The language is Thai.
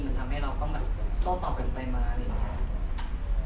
มันทำให้เราก็โต้ตอบกันไปมา